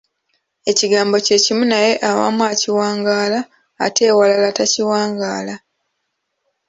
Ekigambo kye kimu naye awamu akiwangaala ate ewalala takiwangaala.